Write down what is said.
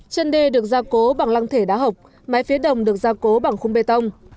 chân đê được ra cố bằng lăng thể đá hộc mái phía đồng được gia cố bằng khung bê tông